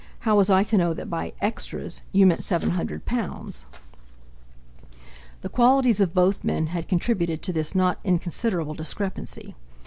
How was I to know that by 'extras' you meant seven hundred pounds?" The qualities of both men had contributed to this not inconsiderable discrepancy.